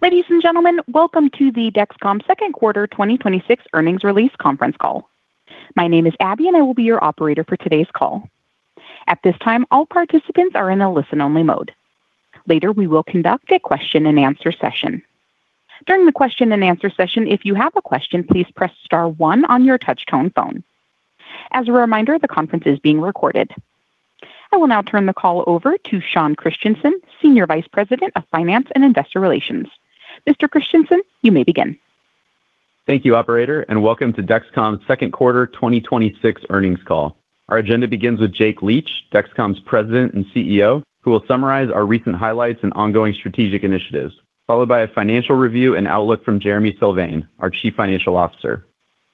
Ladies and gentlemen, welcome to the Dexcom second quarter 2026 earnings release conference call. My name is Abby and I will be your operator for today's call. At this time, all participants are in a listen-only mode. Later, we will conduct a question and answer session. During the question and answer session, if you have a question, please press star one on your touchtone phone. As a reminder, the conference is being recorded. I will now turn the call over to Sean Christensen, Senior Vice President of Finance and Investor Relations. Mr. Christensen, you may begin. Thank you, operator, welcome to Dexcom's second quarter 2026 earnings call. Our agenda begins with Jake Leach, Dexcom's President and CEO, who will summarize our recent highlights and ongoing strategic initiatives, followed by a financial review and outlook from Jereme Sylvain, our Chief Financial Officer.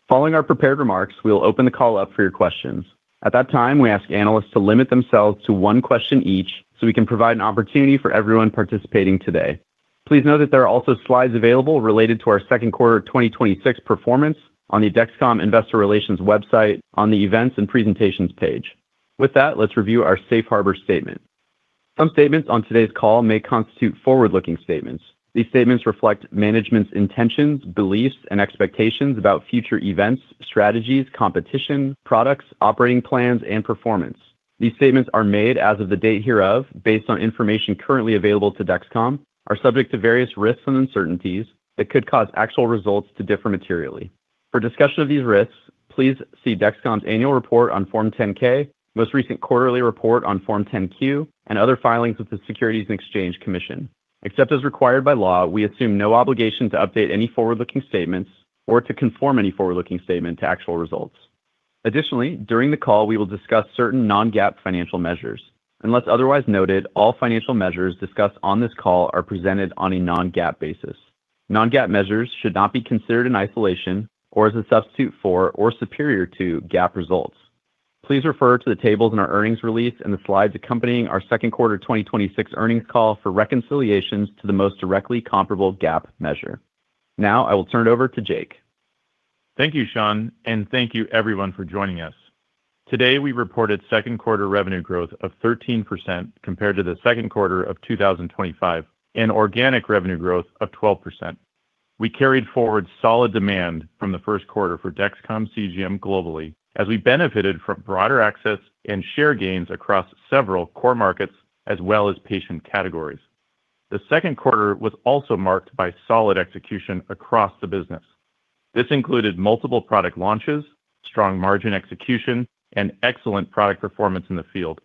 Following our prepared remarks, we will open the call up for your questions. At that time, we ask analysts to limit themselves to one question each so we can provide an opportunity for everyone participating today. Please note that there are also slides available related to our second quarter 2026 performance on the Dexcom investor relations website on the Events and Presentations page. With that, let us review our safe harbor statement. Some statements on today's call may constitute forward-looking statements. These statements reflect management's intentions, beliefs, and expectations about future events, strategies, competition, products, operating plans, and performance. These statements are made as of the date hereof based on information currently available to Dexcom, are subject to various risks and uncertainties that could cause actual results to differ materially. For discussion of these risks, please see Dexcom's annual report on Form 10-K, most recent quarterly report on Form 10-Q, and other filings with the Securities and Exchange Commission. Except as required by law, we assume no obligation to update any forward-looking statements or to conform any forward-looking statement to actual results. Additionally, during the call, we will discuss certain non-GAAP financial measures. Unless otherwise noted, all financial measures discussed on this call are presented on a non-GAAP basis. Non-GAAP measures should not be considered in isolation or as a substitute for or superior to GAAP results. Please refer to the tables in our earnings release and the slides accompanying our second quarter 2026 earnings call for reconciliations to the most directly comparable GAAP measure. Now, I will turn it over to Jake. Thank you, Sean, and thank you everyone for joining us. Today, we reported second quarter revenue growth of 13% compared to the second quarter of 2025, and organic revenue growth of 12%. We carried forward solid demand from the first quarter for Dexcom CGM globally as we benefited from broader access and share gains across several core markets as well as patient categories. The second quarter was also marked by solid execution across the business. This included multiple product launches, strong margin execution, and excellent product performance in the field.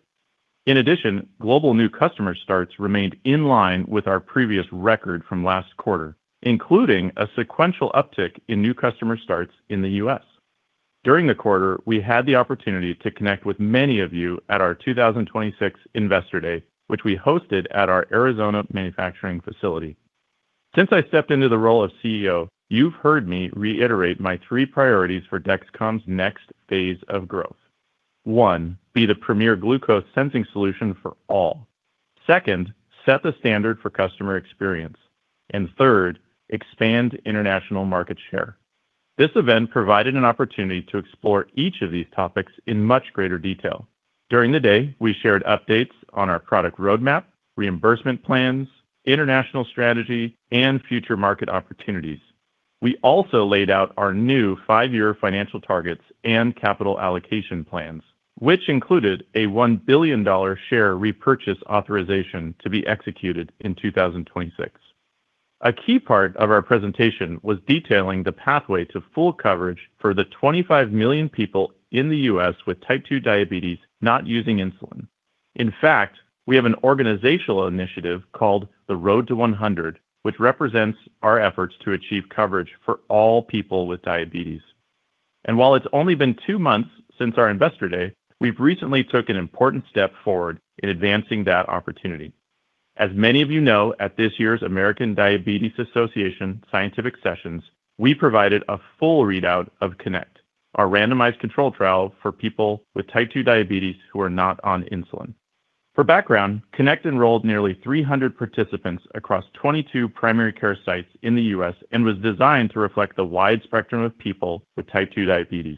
In addition, global new customer starts remained in line with our previous record from last quarter, including a sequential uptick in new customer starts in the U.S. During the quarter, we had the opportunity to connect with many of you at our 2026 Investor Day, which we hosted at our Arizona manufacturing facility. Since I stepped into the role of CEO, you've heard me reiterate my three priorities for Dexcom's next phase of growth. One, be the premier glucose sensing solution for all. Second, set the standard for customer experience. Third, expand international market share. This event provided an opportunity to explore each of these topics in much greater detail. During the day, we shared updates on our product roadmap, reimbursement plans, international strategy, and future market opportunities. We also laid out our new five-year financial targets and capital allocation plans, which included a $1 billion share repurchase authorization to be executed in 2026. A key part of our presentation was detailing the pathway to full coverage for the 25 million people in the U.S. with type 2 diabetes not using insulin. In fact, we have an organizational initiative called The Road to 100, which represents our efforts to achieve coverage for all people with diabetes. While it's only been two months since our Investor Day, we've recently took an important step forward in advancing that opportunity. As many of you know, at this year's American Diabetes Association Scientific Sessions, we provided a full readout of CONNECT, our randomized controlled trial for people with type 2 diabetes who are not on insulin. For background, CONNECT enrolled nearly 300 participants across 22 primary care sites in the U.S. and was designed to reflect the wide spectrum of people with type 2 diabetes.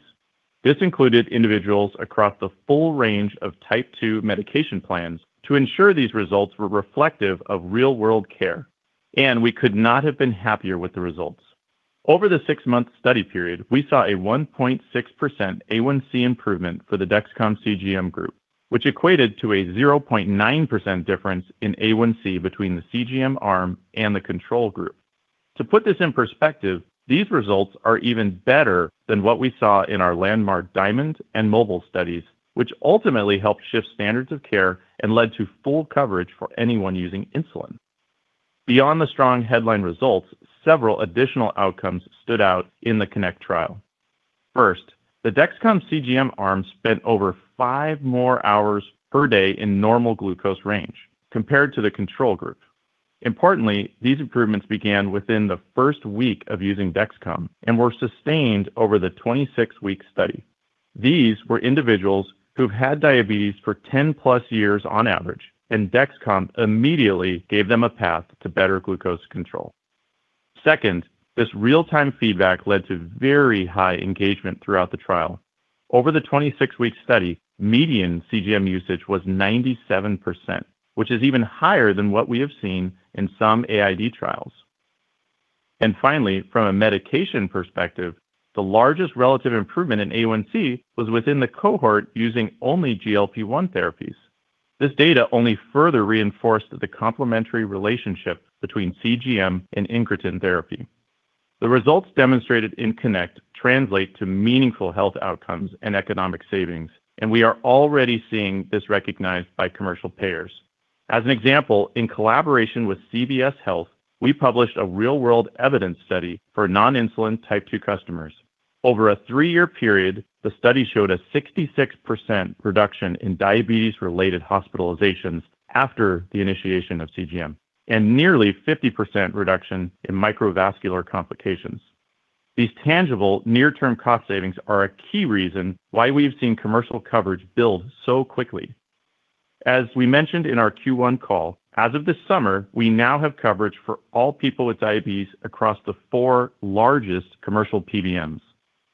This included individuals across the full range of type 2 medication plans to ensure these results were reflective of real-world care, and we could not have been happier with the results. Over the six-month study period, we saw a 1.6% A1C improvement for the Dexcom CGM group, which equated to a 0.9% difference in A1C between the CGM arm and the control group. To put this in perspective, these results are even better than what we saw in our landmark DIaMonD and MOBILE studies, which ultimately helped shift standards of care and led to full coverage for anyone using insulin. Beyond the strong headline results, several additional outcomes stood out in the CONNECT trial. First, the Dexcom CGM arm spent over five more hours per day in normal glucose range compared to the control group. Importantly, these improvements began within the first week of using Dexcom and were sustained over the 26-week study. These were individuals who've had diabetes for 10+ years on average, and Dexcom immediately gave them a path to better glucose control. Second, this real-time feedback led to very high engagement throughout the trial. Over the 26-week study, median CGM usage was 97%, which is even higher than what we have seen in some AID trials. Finally, from a medication perspective, the largest relative improvement in A1C was within the cohort using only GLP-1 therapies. This data only further reinforced the complementary relationship between CGM and incretin therapy. The results demonstrated in CONNECT translate to meaningful health outcomes and economic savings, and we are already seeing this recognized by commercial payers. As an example, in collaboration with CVS Health, we published a real-world evidence study for non-insulin type 2 customers. Over a three-year period, the study showed a 66% reduction in diabetes-related hospitalizations after the initiation of CGM, and nearly 50% reduction in microvascular complications. These tangible near-term cost savings are a key reason why we've seen commercial coverage build so quickly. As we mentioned in our Q1 call, as of this summer, we now have coverage for all people with diabetes across the four largest commercial PBMs.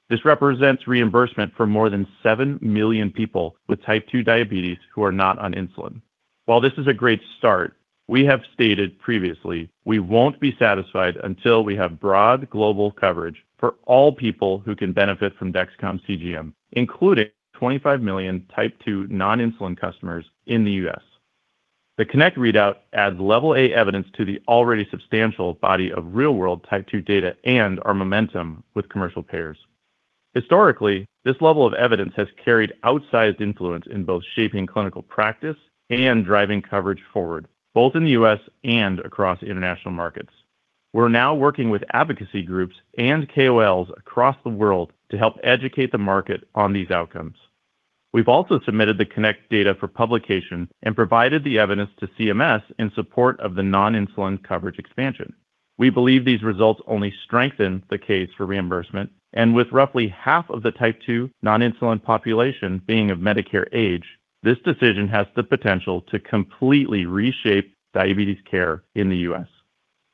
This represents reimbursement for more than seven million people with type 2 diabetes who are not on insulin. While this is a great start, we have stated previously, we won't be satisfied until we have broad global coverage for all people who can benefit from Dexcom CGM, including 25 million type 2 non-insulin customers in the U.S. The CONNECT readout adds level A evidence to the already substantial body of real-world type 2 data and our momentum with commercial payers. Historically, this level of evidence has carried outsized influence in both shaping clinical practice and driving coverage forward, both in the U.S. and across international markets. We're now working with advocacy groups and KOLs across the world to help educate the market on these outcomes. We've also submitted the CONNECT data for publication and provided the evidence to CMS in support of the non-insulin coverage expansion. We believe these results only strengthen the case for reimbursement, and with roughly half of the type 2 non-insulin population being of Medicare age, this decision has the potential to completely reshape diabetes care in the U.S.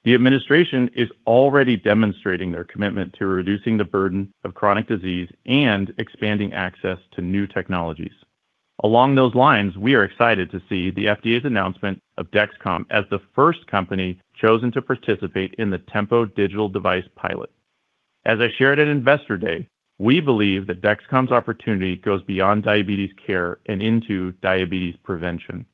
The administration is already demonstrating their commitment to reducing the burden of chronic disease and expanding access to new technologies. Along those lines, we are excited to see the FDA's announcement of Dexcom as the first company chosen to participate in the TEMPO Digital Device Pilot. As I shared at Investor Day, we believe that Dexcom's opportunity goes beyond diabetes care and into diabetes prevention.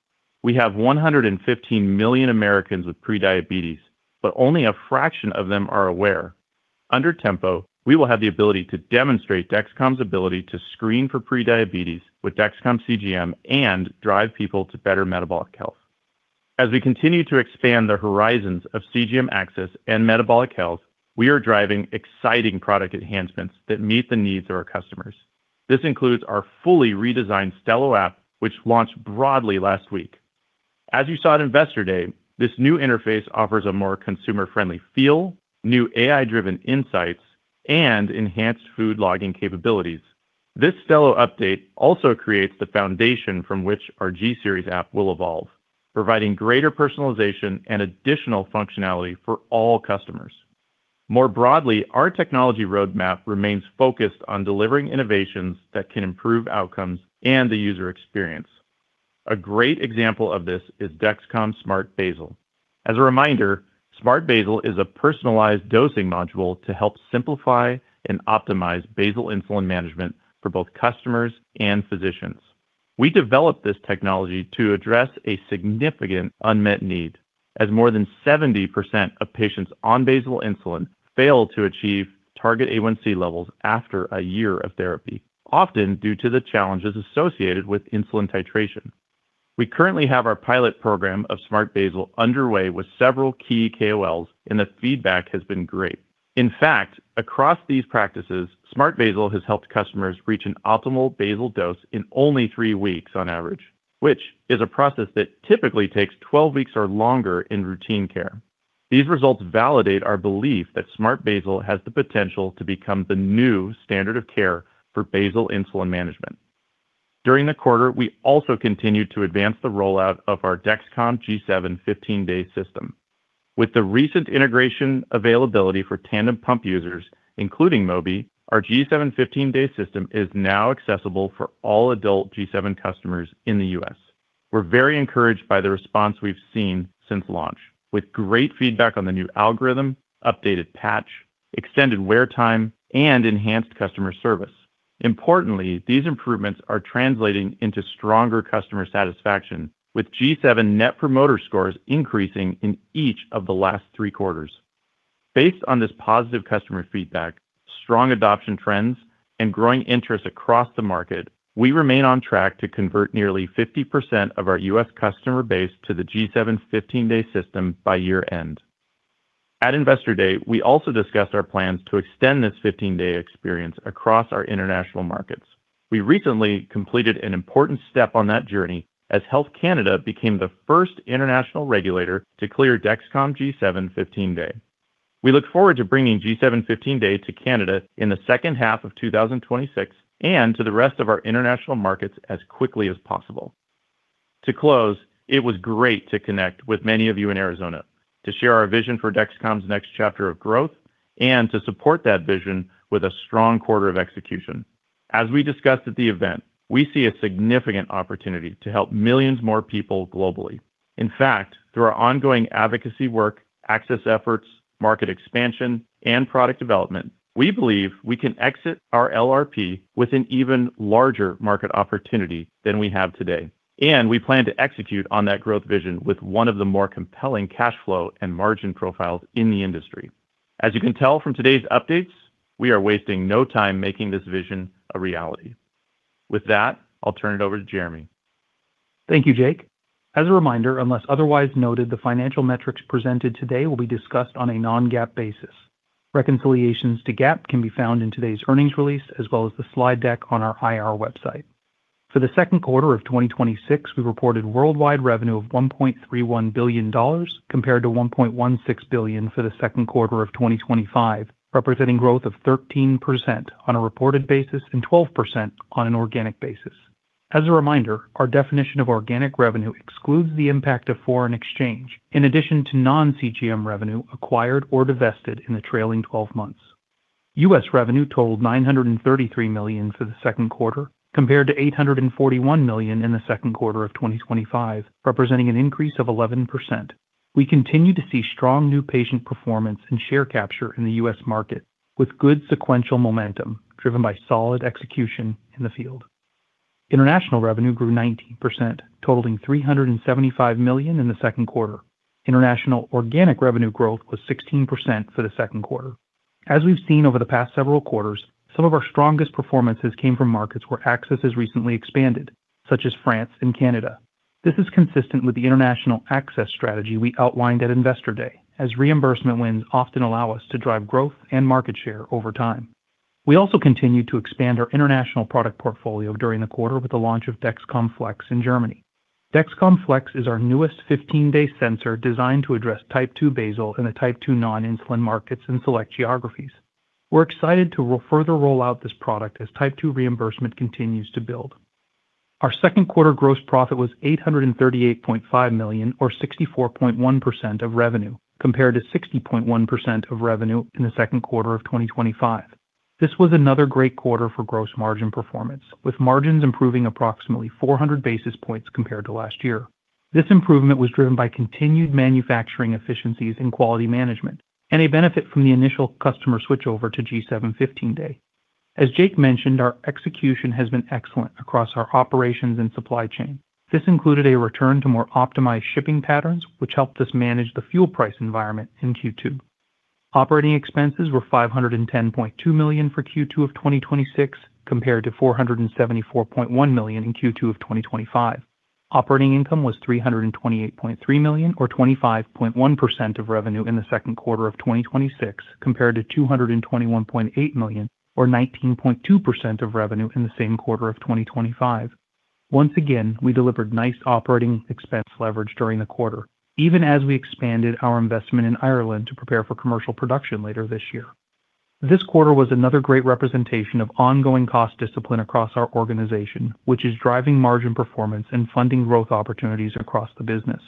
We have 115 million Americans with prediabetes, but only a fraction of them are aware. Under TEMPO, we will have the ability to demonstrate Dexcom's ability to screen for prediabetes with Dexcom CGM and drive people to better metabolic health. As we continue to expand the horizons of CGM access and metabolic health, we are driving exciting product enhancements that meet the needs of our customers. This includes our fully redesigned Stelo app, which launched broadly last week. As you saw at Investor Day, this new interface offers a more consumer-friendly feel, new AI-driven insights, and enhanced food logging capabilities. This Stelo update also creates the foundation from which our G Series app will evolve, providing greater personalization and additional functionality for all customers. More broadly, our technology roadmap remains focused on delivering innovations that can improve outcomes and the user experience. A great example of this is Dexcom Smart Basal. As a reminder, Smart Basal is a personalized dosing module to help simplify and optimize basal insulin management for both customers and physicians. We developed this technology to address a significant unmet need, as more than 70% of patients on basal insulin fail to achieve target A1C levels after a year of therapy, often due to the challenges associated with insulin titration. We currently have our pilot program of Smart Basal underway with several key KOLs, and the feedback has been great. In fact, across these practices, Smart Basal has helped customers reach an optimal basal dose in only three weeks on average, which is a process that typically takes 12 weeks or longer in routine care. These results validate our belief that Smart Basal has the potential to become the new standard of care for basal insulin management. During the quarter, we also continued to advance the rollout of our Dexcom G7 15-day system. With the recent integration availability for Tandem pump users, including Mobi, our G7 15-day system is now accessible for all adult G7 customers in the U.S. We're very encouraged by the response we've seen since launch. With great feedback on the new algorithm, updated patch, extended wear time, and enhanced customer service. Importantly, these improvements are translating into stronger customer satisfaction, with G7 Net Promoter Scores increasing in each of the last three quarters. Based on this positive customer feedback, strong adoption trends, and growing interest across the market, we remain on track to convert nearly 50% of our U.S. customer base to the Dexcom G7 15-day system by year-end. At Investor Day, we also discussed our plans to extend this 15-day experience across our international markets. We recently completed an important step on that journey as Health Canada became the first international regulator to clear Dexcom G7 15-day. We look forward to bringing Dexcom G7 15-day to Canada in the second half of 2026 and to the rest of our international markets as quickly as possible. To close, it was great to connect with many of you in Arizona to share our vision for Dexcom's next chapter of growth and to support that vision with a strong quarter of execution. As we discussed at the event, we see a significant opportunity to help millions more people globally. In fact, through our ongoing advocacy work, access efforts, market expansion, and product development, we believe we can exit our LRP with an even larger market opportunity than we have today, and we plan to execute on that growth vision with one of the more compelling cash flow and margin profiles in the industry. As you can tell from today's updates, we are wasting no time making this vision a reality. With that, I'll turn it over to Jereme. Thank you, Jake. As a reminder, unless otherwise noted, the financial metrics presented today will be discussed on a non-GAAP basis. Reconciliations to GAAP can be found in today's earnings release as well as the slide deck on our IR website. For the second quarter of 2026, we reported worldwide revenue of $1.31 billion compared to $1.16 billion for the second quarter of 2025, representing growth of 13% on a reported basis and 12% on an organic basis. As a reminder, our definition of organic revenue excludes the impact of foreign exchange in addition to non-CGM revenue acquired or divested in the trailing 12 months. U.S. revenue totaled $933 million for the second quarter compared to $841 million in the second quarter of 2025, representing an increase of 11%. We continue to see strong new patient performance and share capture in the U.S. market with good sequential momentum driven by solid execution in the field. International revenue grew 19%, totaling $375 million in the second quarter. International organic revenue growth was 16% for the second quarter. As we've seen over the past several quarters, some of our strongest performances came from markets where access has recently expanded, such as France and Canada. This is consistent with the international access strategy we outlined at Investor Day, as reimbursement wins often allow us to drive growth and market share over time. We also continued to expand our international product portfolio during the quarter with the launch of Dexcom Flex in Germany. Dexcom Flex is our newest Dexcom G7 15-day sensor designed to address Type 2 basal in the Type 2 non-insulin markets in select geographies. We're excited to further roll out this product as Type 2 reimbursement continues to build. Our second quarter gross profit was $838.5 million, or 64.1% of revenue, compared to 60.1% of revenue in the second quarter of 2025. This was another great quarter for gross margin performance, with margins improving approximately 400 basis points compared to last year. This improvement was driven by continued manufacturing efficiencies in quality management and a benefit from the initial customer switchover to Dexcom G7 15-Day. As Jake mentioned, our execution has been excellent across our operations and supply chain. This included a return to more optimized shipping patterns, which helped us manage the fuel price environment in Q2. Operating expenses were $510.2 million for Q2 of 2026, compared to $474.1 million in Q2 of 2025. Operating income was $328.3 million, or 25.1% of revenue in the second quarter of 2026, compared to $221.8 million, or 19.2% of revenue in the same quarter of 2025. Once again, we delivered nice operating expense leverage during the quarter, even as we expanded our investment in Ireland to prepare for commercial production later this year. This quarter was another great representation of ongoing cost discipline across our organization, which is driving margin performance and funding growth opportunities across the business.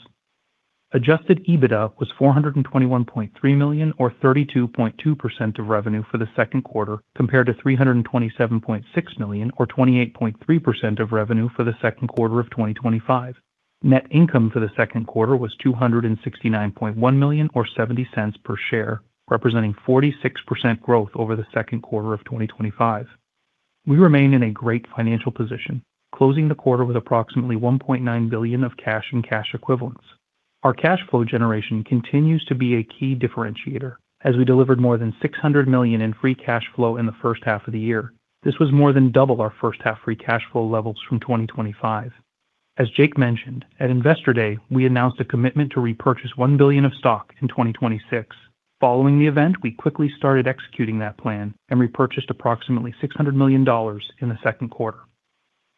Adjusted EBITDA was $421.3 million, or 32.2% of revenue for the second quarter, compared to $327.6 million, or 28.3% of revenue for the second quarter of 2025. Net income for the second quarter was $269.1 million or $0.70 per share, representing 46% growth over the second quarter of 2025. We remain in a great financial position, closing the quarter with approximately $1.9 billion of cash and cash equivalents. Our cash flow generation continues to be a key differentiator as we delivered more than $600 million in free cash flow in the first half of the year. This was more than double our first half free cash flow levels from 2025. As Jake mentioned, at Investor Day, we announced a commitment to repurchase $1 billion of stock in 2026. Following the event, we quickly started executing that plan and repurchased approximately $600 million in the second quarter.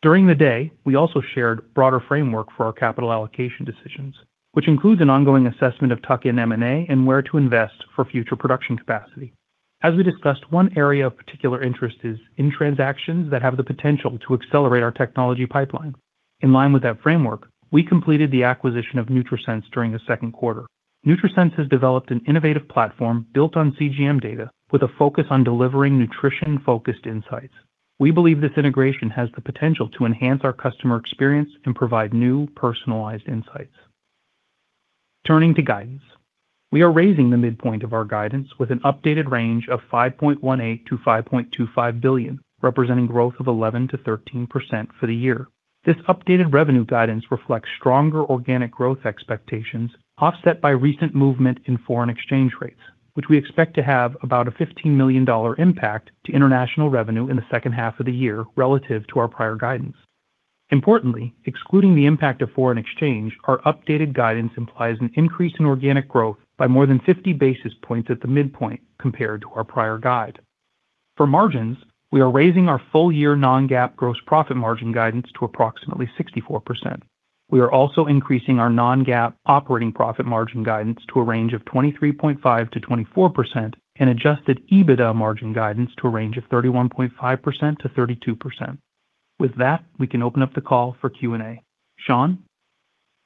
During the day, we also shared broader framework for our capital allocation decisions, which includes an ongoing assessment of tuck-in M&A and where to invest for future production capacity. As we discussed, one area of particular interest is in transactions that have the potential to accelerate our technology pipeline. In line with that framework, we completed the acquisition of Nutrisense during the second quarter. Nutrisense has developed an innovative platform built on CGM data with a focus on delivering nutrition-focused insights. We believe this integration has the potential to enhance our customer experience and provide new personalized insights. Turning to guidance, we are raising the midpoint of our guidance with an updated range of $5.18 billion-$5.25 billion, representing growth of 11%-13% for the year. This updated revenue guidance reflects stronger organic growth expectations offset by recent movement in foreign exchange rates, which we expect to have about a $15 million impact to international revenue in the second half of the year relative to our prior guidance. Importantly, excluding the impact of foreign exchange, our updated guidance implies an increase in organic growth by more than 50 basis points at the midpoint compared to our prior guide. For margins, we are raising our full-year non-GAAP gross profit margin guidance to approximately 64%. We are also increasing our non-GAAP operating profit margin guidance to a range of 23.5%-24% and adjusted EBITDA margin guidance to a range of 31.5%-32%. With that, we can open up the call for Q&A. Sean?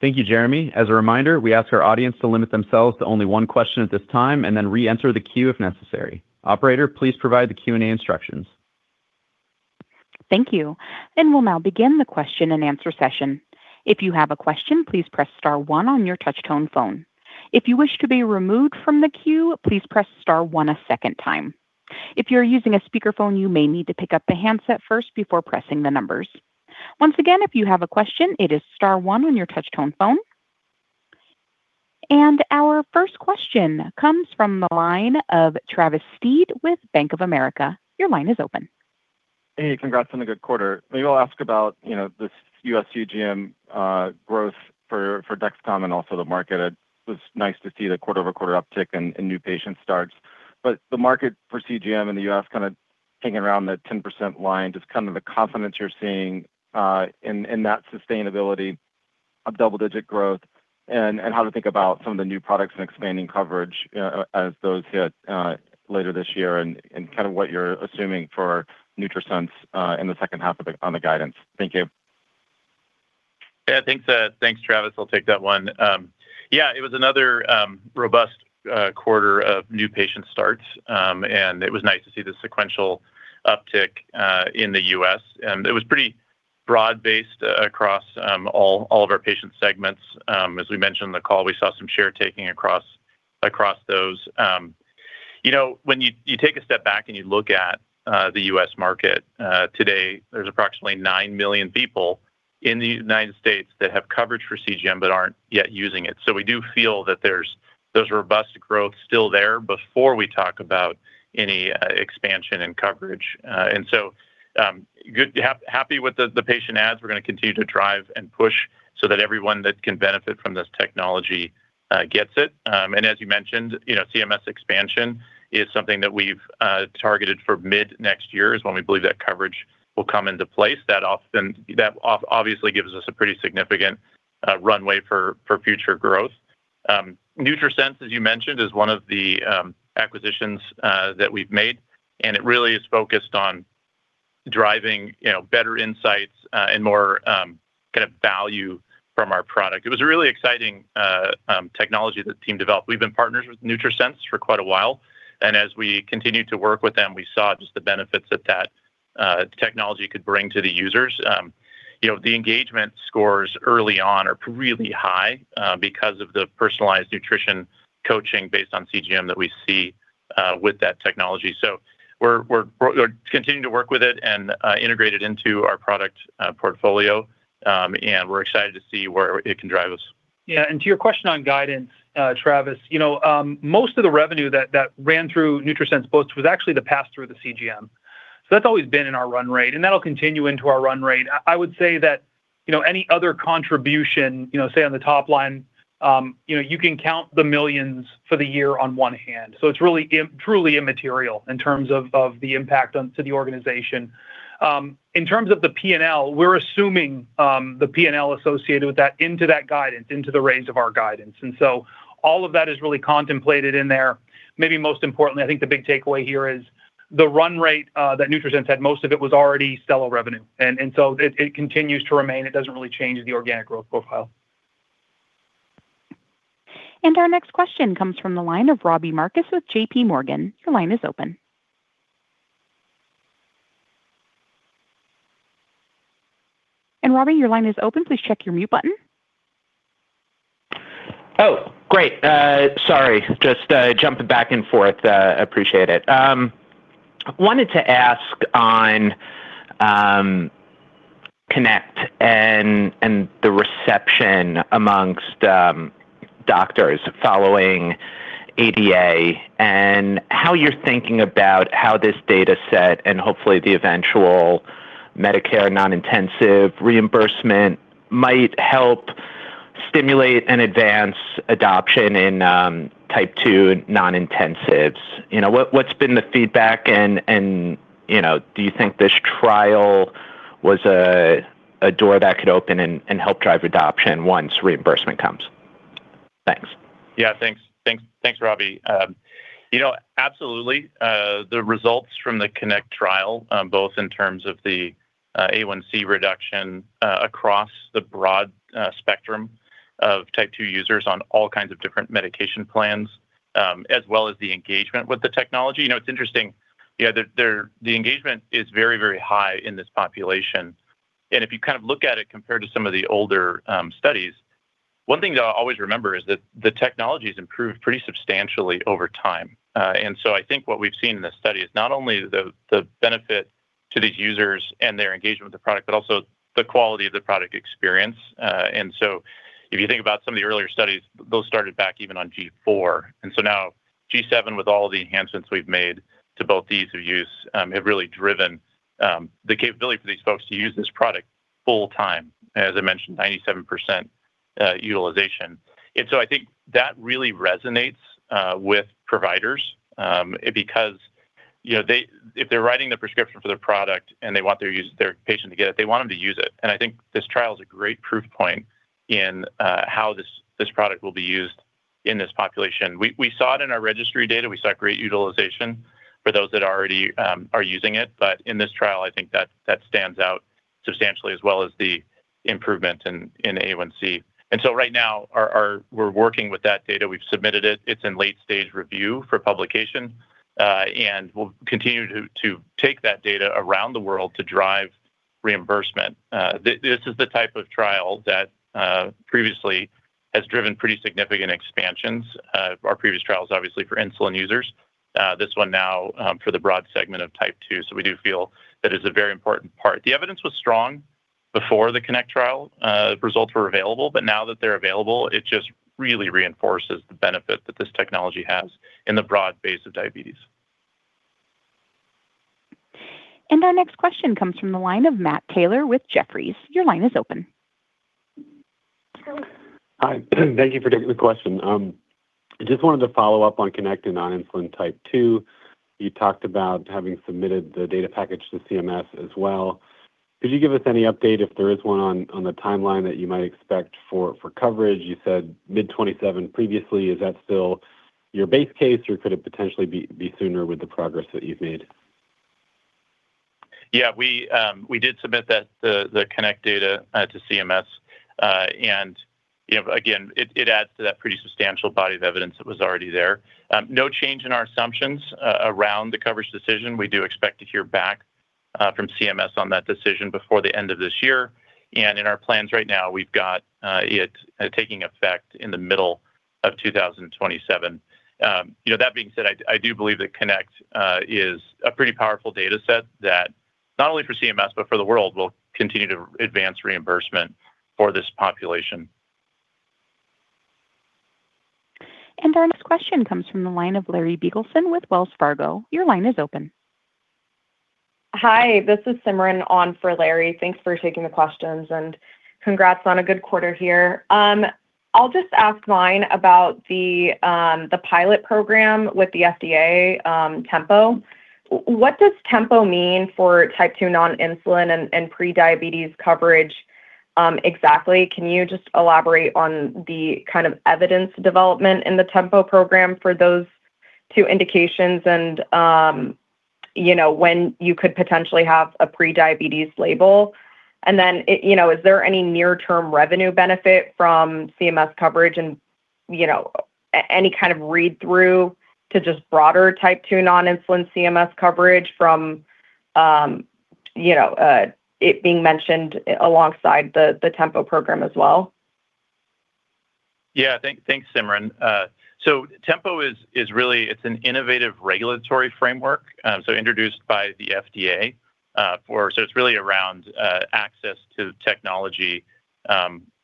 Thank you, Jereme. As a reminder, we ask our audience to limit themselves to only one question at this time and then re-enter the queue if necessary. Operator, please provide the Q&A instructions. Thank you. We'll now begin the question and answer session. If you have a question, please press star one on your touch-tone phone. If you wish to be removed from the queue, please press star one a second time. If you're using a speakerphone, you may need to pick up the handset first before pressing the numbers. Once again, if you have a question, it is star one on your touch-tone phone. Our first question comes from the line of Travis Steed with Bank of America. Your line is open. Hey, congrats on a good quarter. Maybe I'll ask about this U.S. CGM growth for Dexcom and also the market. It was nice to see the quarter-over-quarter uptick in new patient starts. The market for CGM in the U.S. kind of hanging around the 10% line. Just the confidence you're seeing in that sustainability of double-digit growth and how to think about some of the new products and expanding coverage, as those hit later this year and what you're assuming for Nutrisense in the second half on the guidance. Thank you. Yeah, thanks, Travis. I'll take that one. It was another robust quarter of new patient starts, and it was nice to see the sequential uptick in the U.S., and it was pretty broad-based across all of our patient segments. As we mentioned the call, we saw some share taking across those. When you take a step back and you look at the U.S. market today, there's approximately 9 million people in the United States that have coverage for CGM but aren't yet using it. We do feel that there's robust growth still there before we talk about any expansion in coverage. Happy with the patient adds. We're going to continue to drive and push so that everyone that can benefit from this technology gets it. As you mentioned, CMS expansion is something that we've targeted for mid-next year, is when we believe that coverage will come into place. That obviously gives us a pretty significant runway for future growth. Nutrisense, as you mentioned, is one of the acquisitions that we've made, and it really is focused on driving better insights and more value from our product. It was a really exciting technology that the team developed. We've been partners with Nutrisense for quite a while, and as we continued to work with them, we saw just the benefits that technology could bring to the users. The engagement scores early on are really high because of the personalized nutrition coaching based on CGM that we see with that technology. We're continuing to work with it and integrate it into our product portfolio, and we're excited to see where it can drive us. To your question on guidance, Travis, most of the revenue that ran through Nutrisense both was actually the pass through the CGM. That's always been in our run rate, and that'll continue into our run rate. I would say that any other contribution, say, on the top line, you can count the millions for the year on one hand, so it's truly immaterial in terms of the impact to the organization. In terms of the P&L, we're assuming the P&L associated with that into that guidance, into the range of our guidance. All of that is really contemplated in there. Maybe most importantly, I think the big takeaway here is the run rate that Nutrisense had, most of it was already sell-on revenue, and so it continues to remain. It doesn't really change the organic growth profile. Our next question comes from the line of Robbie Marcus with JPMorgan. Your line is open. Robbie, your line is open. Please check your mute button. Great. Sorry, just jumping back and forth. Appreciate it. Wanted to ask on CONNECT and the reception amongst doctors following ADA and how you're thinking about how this data set and hopefully the eventual Medicare non-intensive reimbursement might help stimulate and advance adoption in type 2 non-intensives. What's been the feedback, and do you think this trial was a door that could open and help drive adoption once reimbursement comes? Thanks. Thanks, Robbie. Absolutely. The results from the CONNECT trial, both in terms of the A1C reduction across the broad spectrum of type 2 users on all kinds of different medication plans, as well as the engagement with the technology. It's interesting. The engagement is very, very high in this population. If you look at it compared to some of the older studies, one thing that I'll always remember is that the technology's improved pretty substantially over time. I think what we've seen in this study is not only the benefit to these users and their engagement with the product, but also the quality of the product experience. If you think about some of the earlier studies, those started back even on G4. Now G7, with all the enhancements we've made to both ease of use, have really driven the capability for these folks to use this product full time. As I mentioned, 97% utilization. I think that really resonates with providers, because if they're writing the prescription for the product and they want their patient to get it, they want them to use it. I think this trial's a great proof point in how this product will be used in this population. We saw it in our registry data. We saw great utilization for those that already are using it. But in this trial, I think that stands out substantially, as well as the improvement in A1C. Right now, we're working with that data. We've submitted it. It's in late stage review for publication. We'll continue to take that data around the world to drive reimbursement. This is the type of trial that previously has driven pretty significant expansions. Our previous trial is obviously for insulin users. This one now for the broad segment of type 2. We do feel that is a very important part. The evidence was strong before the CONNECT trial results were available, but now that they're available, it just really reinforces the benefit that this technology has in the broad base of diabetes. Our next question comes from the line of Matt Taylor with Jefferies. Your line is open. Hi. Thank you for taking the question. I just wanted to follow up on CONNECT and non-insulin type 2. You talked about having submitted the data package to CMS as well. Could you give us any update, if there is one, on the timeline that you might expect for coverage? You said mid 2027 previously. Is that still your base case, or could it potentially be sooner with the progress that you've made? Yeah, we did submit the CONNECT data to CMS. Again, it adds to that pretty substantial body of evidence that was already there. No change in our assumptions around the coverage decision. We do expect to hear back from CMS on that decision before the end of this year. In our plans right now, we've got it taking effect in the middle of 2027. That being said, I do believe that CONNECT is a pretty powerful data set that, not only for CMS but for the world, will continue to advance reimbursement for this population. Our next question comes from the line of Larry Biegelsen with Wells Fargo. Your line is open. Hi. This is Gursimran on for Larry. Thanks for taking the questions, and congrats on a good quarter here. I'll just ask mine about the pilot program with the FDA, TEMPO. What does TEMPO mean for type 2 non-insulin and pre-diabetes coverage exactly? Can you just elaborate on the kind of evidence development in the TEMPO program for those two indications, and when you could potentially have a pre-diabetes label? Then, is there any near-term revenue benefit from CMS coverage and any kind of read-through to just broader type 2 non-insulin CMS coverage from it being mentioned alongside the TEMPO program as well? Yeah. Thanks, Gursimran. TEMPO, it's an innovative regulatory framework introduced by the FDA. It's really around access to technology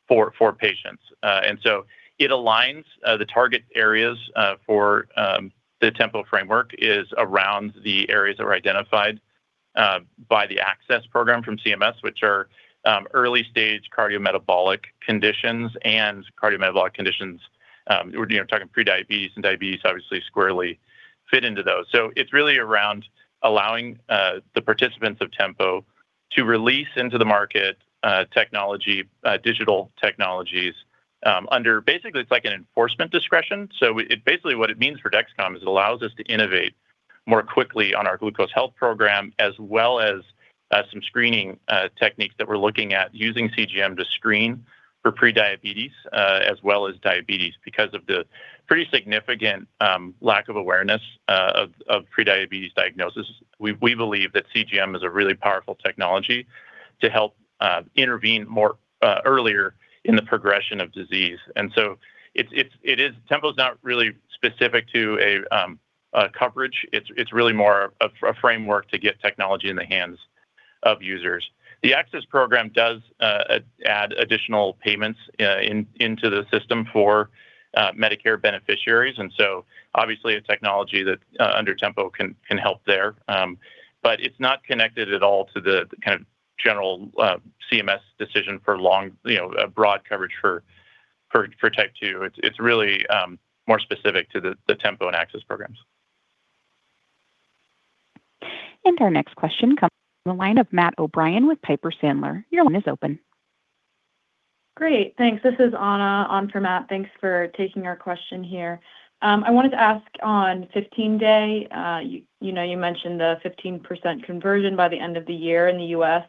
for patients. It aligns the target areas for the TEMPO framework is around the areas that were identified by the ACCESS program from CMS, which are early stage cardiometabolic conditions and cardiometabolic conditions. We're talking pre-diabetes and diabetes obviously squarely fit into those. It's really around allowing the participants of TEMPO to release into the market digital technologies under, basically, it's like an enforcement discretion. Basically, what it means for Dexcom is it allows us to innovate more quickly on our glucose health program, as well as some screening techniques that we're looking at using CGM to screen for pre-diabetes as well as diabetes because of the pretty significant lack of awareness of pre-diabetes diagnosis. We believe that CGM is a really powerful technology to help intervene more earlier in the progression of disease. TEMPO is not really specific to a coverage. It is really more a framework to get technology in the hands of users. The ACCESS program does add additional payments into the system for Medicare beneficiaries, so obviously a technology that under TEMPO can help there. It is not connected at all to the kind of general CMS decision for a broad coverage for type 2. It is really more specific to the TEMPO and ACCESS programs. Our next question comes from the line of Matt O'Brien with Piper Sandler. Your line is open. Great. Thanks. This is Ana on for Matt. Thanks for taking our question here. I wanted to ask on Dexcom G7 15-day, you mentioned the 50% conversion by the end of the year in the U.S.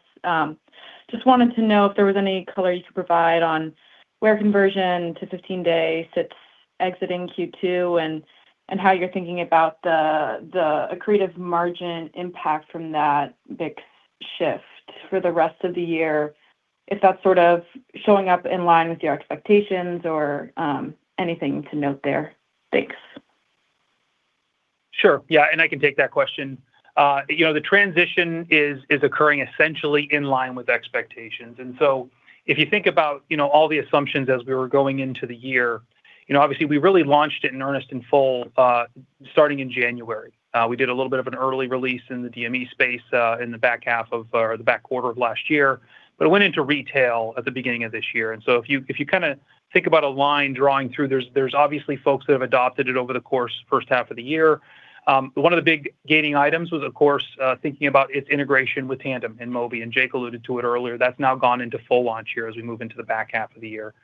Just wanted to know if there was any color you could provide on where conversion to Dexcom G7 15-day sits exiting Q2, and how you are thinking about the accretive margin impact from that big shift for the rest of the year, if that is sort of showing up in line with your expectations or anything to note there. Thanks. Sure. I can take that question. The transition is occurring essentially in line with expectations. If you think about all the assumptions as we were going into the year, obviously we really launched it in earnest in full starting in January. We did a little bit of an early release in the DME space in the back quarter of last year. It went into retail at the beginning of this year. If you think about a line drawing through, there is obviously folks that have adopted it over the course first half of the year. One of the big gaining items was, of course, thinking about its integration with Tandem and Mobi, and Jake alluded to it earlier. That is now gone into full launch here as we move into the back half of the year.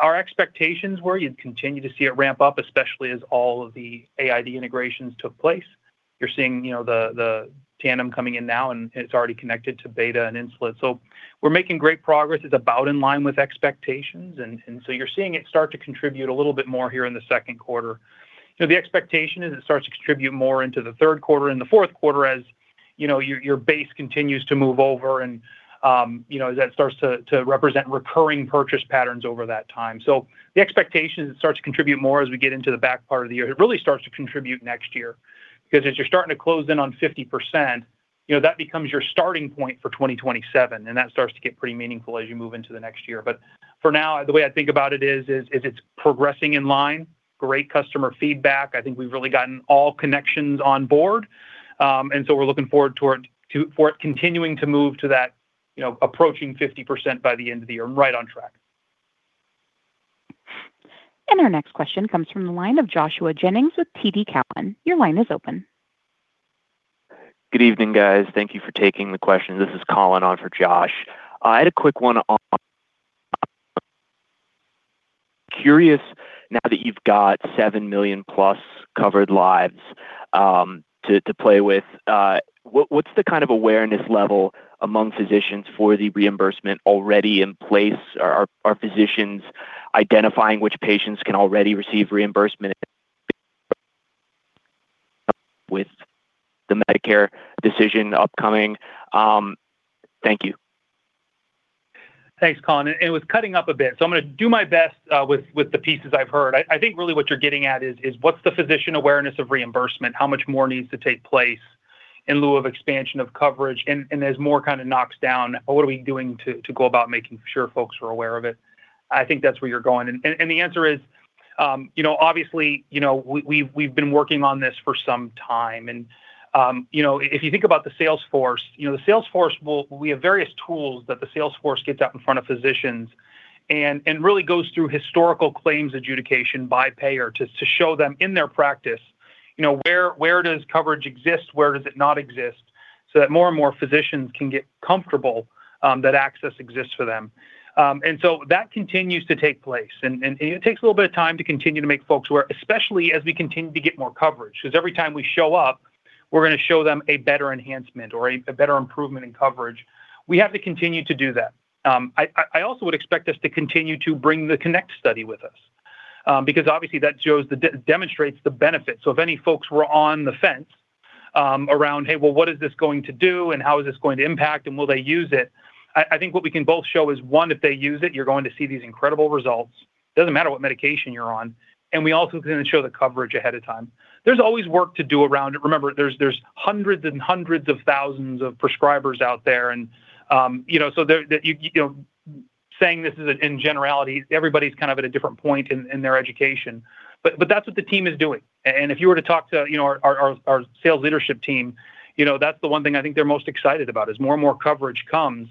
Our expectations were you'd continue to see it ramp up, especially as all of the AID integrations took place You're seeing the Tandem coming in now, and it's already connected to Beta Bionics and Insulet. We're making great progress. It's about in line with expectations, you're seeing it start to contribute a little bit more here in the second quarter. The expectation is it starts to contribute more into the third quarter and the fourth quarter, as your base continues to move over and as that starts to represent recurring purchase patterns over that time. The expectation is it starts to contribute more as we get into the back part of the year. It really starts to contribute next year, because as you're starting to close in on 50%, that becomes your starting point for 2027, and that starts to get pretty meaningful as you move into the next year. For now, the way I think about it is it's progressing in line, great customer feedback. I think we've really gotten all connections on board. We're looking forward for it continuing to move to that approaching 50% by the end of the year. We're right on track. Our next question comes from the line of Joshua Jennings with TD Cowen. Your line is open. Good evening, guys. Thank you for taking the question. This is Colin on for Josh. I had a quick one on. Curious now that you have seven million-plus covered lives to play with, what is the kind of awareness level among physicians for the reimbursement already in place? Are physicians identifying which patients can already receive reimbursement with the Medicare decision upcoming? Thank you. Thanks, Colin. It was cutting up a bit, so I am going to do my best with the pieces I have heard. I think really what you are getting at is what is the physician awareness of reimbursement? How much more needs to take place in lieu of expansion of coverage? As more kind of knocks down, what are we doing to go about making sure folks are aware of it? I think that is where you are going. The answer is, obviously, we have been working on this for some time. If you think about the sales force, we have various tools that the sales force gets out in front of physicians and really goes through historical claims adjudication by payer to show them in their practice where does coverage exist, where does it not exist, so that more and more physicians can get comfortable that access exists for them. That continues to take place. It takes a little bit of time to continue to make folks aware, especially as we continue to get more coverage, because every time we show up, we are going to show them a better enhancement or a better improvement in coverage. We have to continue to do that. I also would expect us to continue to bring the CONNECT study with us, because obviously that demonstrates the benefit. If any folks were on the fence around, "Hey, well, what is this going to do and how is this going to impact, and will they use it?" I think what we can both show is, one, if they use it, you are going to see these incredible results. Does not matter what medication you are on. We also can then show the coverage ahead of time. There is always work to do around it. Remember, there is hundreds and hundreds of thousands of prescribers out there, saying this is in generalities, everybody is kind of at a different point in their education. That is what the team is doing. If you were to talk to our sales leadership team, that is the one thing I think they are most excited about, is more and more coverage comes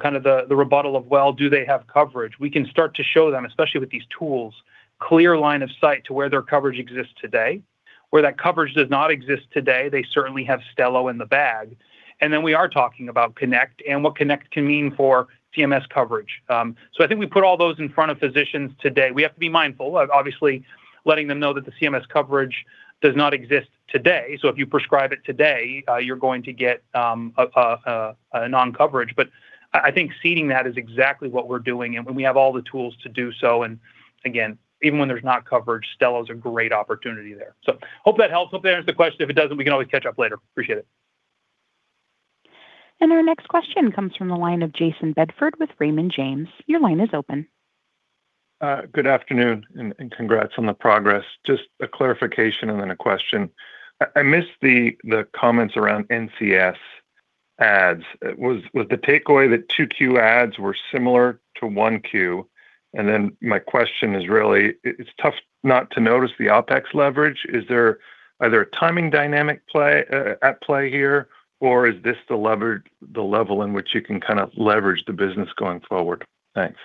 kind of the rebuttal of, well, do they have coverage? We can start to show them, especially with these tools, clear line of sight to where their coverage exists today. Where that coverage does not exist today, they certainly have Stelo in the bag. We are talking about CONNECT and what CONNECT can mean for CMS coverage. I think we put all those in front of physicians today. We have to be mindful of obviously letting them know that the CMS coverage does not exist today. If you prescribe it today, you're going to get a non-coverage. I think seeding that is exactly what we're doing, and we have all the tools to do so. Again, even when there's not coverage, Stelo's a great opportunity there. Hope that helps. Hope that answers the question. If it doesn't, we can always catch up later. Appreciate it. Our next question comes from the line of Jayson Bedford with Raymond James. Your line is open. Good afternoon, congrats on the progress. Just a clarification and then a question. I missed the comments around NCS adds. Was the takeaway that 2Q ads were similar to 1Q? Then my question is really, it's tough not to notice the OpEx leverage. Is there either a timing dynamic at play here, or is this the level in which you can kind of leverage the business going forward? Thanks.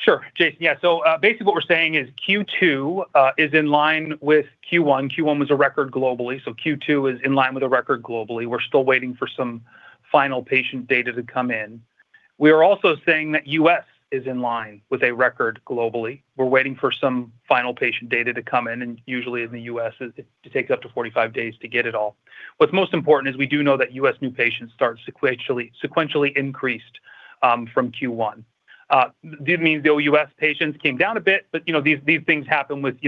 Sure. Jayson, yeah. Basically what we're saying is Q2 is in line with Q1. Q1 was a record globally, Q2 is in line with a record globally. We're still waiting for some final patient data to come in. We are also saying that U.S. is in line with a record globally. We're waiting for some final patient data to come in, usually in the U.S., it takes up to 45 days to get it all. What's most important is we do know that U.S. new patients sequentially increased from Q1. This means the OUS patients came down a bit, these things happen with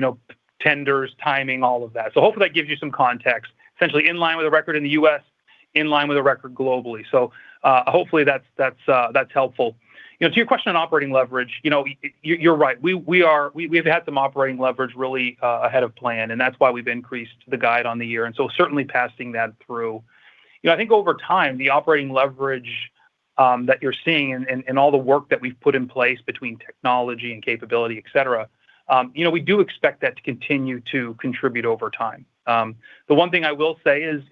tenders, timing, all of that. Hopefully that gives you some context, essentially in line with a record in the U.S., in line with a record globally. Hopefully that's helpful. To your question on operating leverage, you're right. We've had some operating leverage really ahead of plan, and that's why we've increased the guide on the year. Certainly passing that through. I think over time, the operating leverage that you're seeing and all the work that we've put in place between technology and capability, et cetera, we do expect that to continue to contribute over time. The one thing I will say is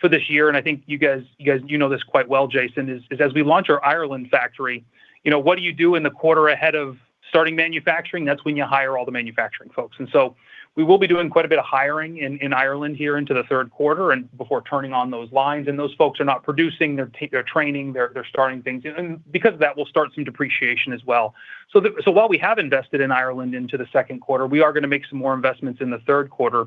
for this year, and I think you guys you know this quite well, Jayson, is as we launch our Ireland factory, what do you do in the quarter ahead of starting manufacturing? That's when you hire all the manufacturing folks. We will be doing quite a bit of hiring in Ireland here into the third quarter and before turning on those lines, and those folks are not producing. They're training. They're starting things. Because of that, we'll start some depreciation as well. While we have invested in Ireland into the second quarter, we are going to make some more investments in the third quarter.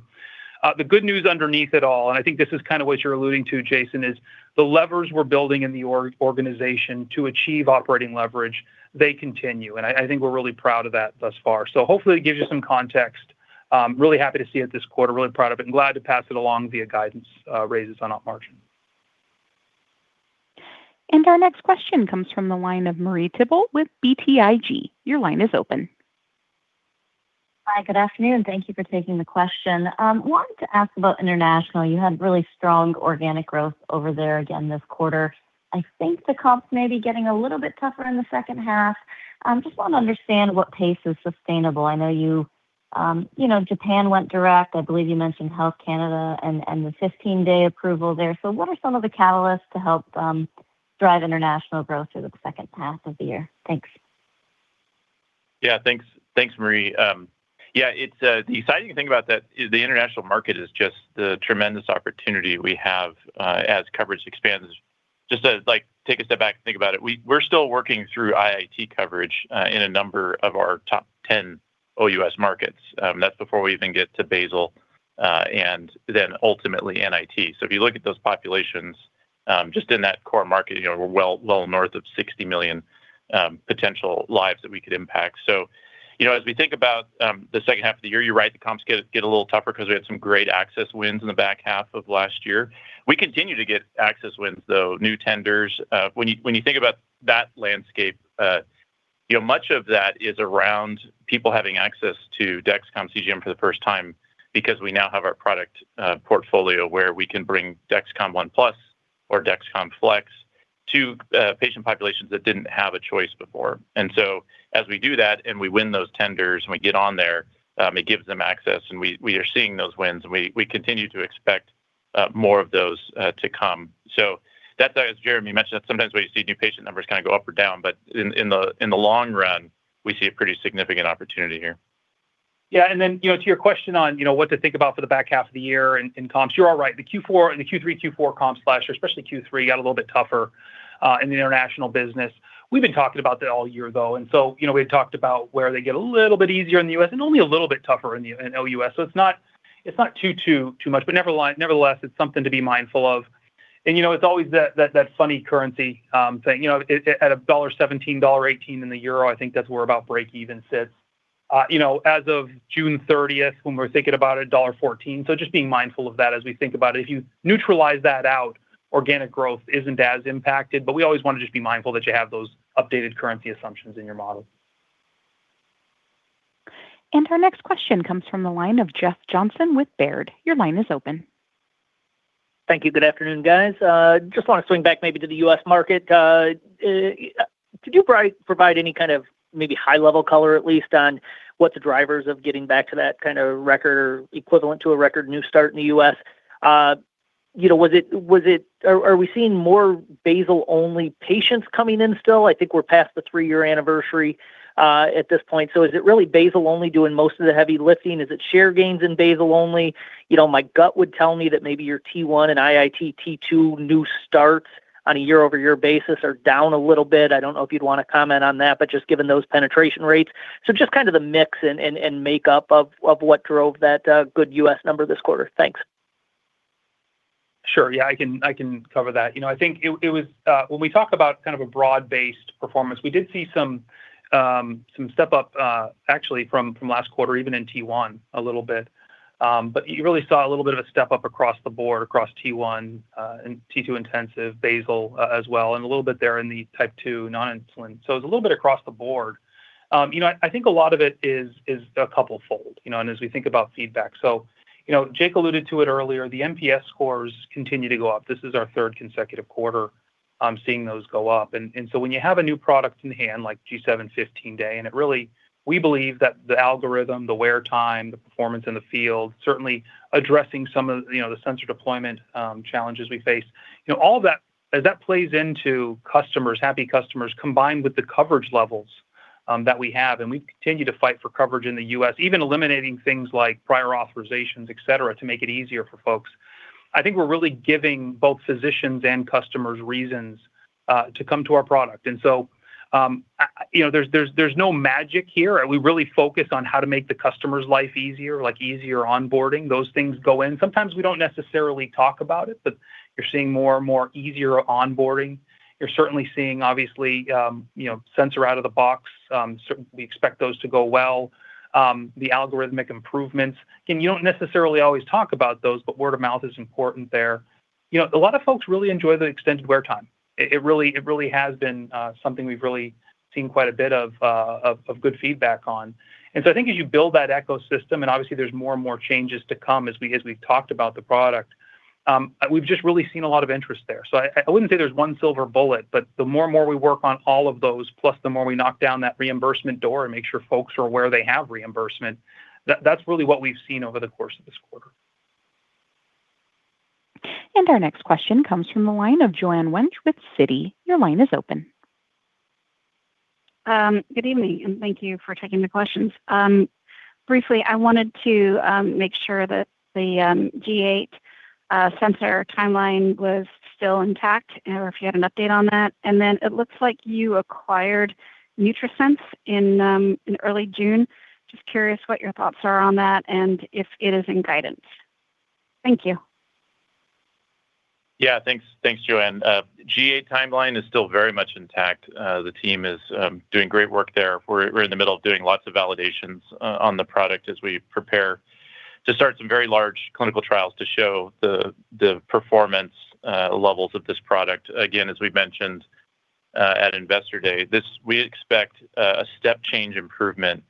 The good news underneath it all, and I think this is kind of what you're alluding to, Jayson, is the levers we're building in the organization to achieve operating leverage, they continue. I think we're really proud of that thus far. Hopefully that gives you some context. I'm really happy to see it this quarter, really proud of it and glad to pass it along via guidance raises on op margin. Our next question comes from the line of Marie Thibault with BTIG. Your line is open. Hi, good afternoon. Thank you for taking the question. Wanted to ask about international. You had really strong organic growth over there again this quarter. I think the comps may be getting a little bit tougher in the second half. Just want to understand what pace is sustainable. I know Japan went direct. I believe you mentioned Health Canada and the Dexcom G7 15-day approval there. What are some of the catalysts to help drive international growth through the second half of the year? Thanks. Thanks, Marie. The exciting thing about that is the international market is just the tremendous opportunity we have as coverage expands. To take a step back and think about it, we're still working through IIT coverage in a number of our top 10 OUS markets. That's before we even get to basal, and then ultimately NIT. If you look at those populations, just in that core market, we're well north of 60 million potential lives that we could impact. As we think about the second half of the year, you're right, the comps get a little tougher because we had some great access wins in the back half of last year. We continue to get access wins, though, new tenders. When you think about that landscape, much of that is around people having access to Dexcom CGM for the first time because we now have our product portfolio where we can bring Dexcom ONE+ or Dexcom Flex to patient populations that didn't have a choice before. As we do that and we win those tenders and we get on there, it gives them access and we are seeing those wins, and we continue to expect more of those to come. That, as Jereme mentioned, sometimes when you see new patient numbers go up or down, but in the long run, we see a pretty significant opportunity here. To your question on what to think about for the back half of the year in comps, you're all right. The Q3, Q4 comps last year, especially Q3, got a little bit tougher in the international business. We've been talking about that all year though, and so we had talked about where they get a little bit easier in the U.S. and only a little bit tougher in OUS. It's not too much, but nevertheless, it's something to be mindful of. It's always that funny currency thing. At $1.17, $1.18 in the euro, I think that's where about breakeven sits. As of June 30th when we're thinking about it, $1.14. Just being mindful of that as we think about it. If you neutralize that out, organic growth isn't as impacted, we always want to just be mindful that you have those updated currency assumptions in your model. Our next question comes from the line of Jeff Johnson with Baird. Your line is open. Thank you. Good afternoon, guys. Just want to swing back maybe to the U.S. market. Could you provide any kind of maybe high level color at least on what the drivers of getting back to that kind of equivalent to a record new start in the U.S.? Are we seeing more basal-only patients coming in still? I think we're past the three-year anniversary at this point. Is it really basal only doing most of the heavy lifting? Is it share gains in basal only? My gut would tell me that maybe your T1 and IIT, T2 new starts on a year-over-year basis are down a little bit. I don't know if you'd want to comment on that, but just given those penetration rates. Just kind of the mix and makeup of what drove that good U.S. number this quarter. Thanks. Sure. Yeah, I can cover that. When we talk about kind of a broad based performance, we did see some step up actually from last quarter, even in T1 a little bit. You really saw a little bit of a step up across the board, across T1 and T2 intensive, basal as well, and a little bit there in the type 2 non-insulin. It's a little bit across the board. I think a lot of it is a couple fold and as we think about feedback. Jake alluded to it earlier, the NPS scores continue to go up. This is our third consecutive quarter seeing those go up. When you have a new product in hand, like Dexcom G7 15-day, and we believe that the algorithm, the wear time, the performance in the field, certainly addressing some of the sensor deployment challenges we face. All that, as that plays into happy customers, combined with the coverage levels that we have, and we continue to fight for coverage in the U.S., even eliminating things like prior authorizations, et cetera, to make it easier for folks. I think we're really giving both physicians and customers reasons to come to our product. There's no magic here. We really focus on how to make the customer's life easier, like easier onboarding. Those things go in. Sometimes we don't necessarily talk about it, but you're seeing more and more easier onboarding. You're certainly seeing, obviously, sensor out of the box. Certainly, we expect those to go well. The algorithmic improvements, you don't necessarily always talk about those, but word of mouth is important there. A lot of folks really enjoy the extended wear time. It really has been something we've really seen quite a bit of good feedback on. I think as you build that ecosystem, and obviously there's more and more changes to come as we've talked about the product, we've just really seen a lot of interest there. I wouldn't say there's one silver bullet, but the more and more we work on all of those, plus the more we knock down that reimbursement door and make sure folks are aware they have reimbursement, that's really what we've seen over the course of this quarter. Our next question comes from the line of Joanne Wuensch with Citi. Your line is open. Good evening, and thank you for taking the questions. Briefly, I wanted to make sure that the G8 sensor timeline was still intact, or if you had an update on that. It looks like you acquired Nutrisense in early June. I am just curious what your thoughts are on that and if it is in guidance. Thank you. Yeah. Thanks, Joanne. G8 timeline is still very much intact. The team is doing great work there. We're in the middle of doing lots of validations on the product as we prepare to start some very large clinical trials to show the performance levels of this product. Again, as we mentioned at Investor Day, we expect a step change improvement